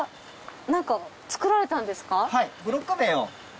何か作られたんですか？